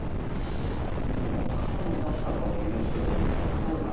もう刀出したのがもう命取りみたいな感じですね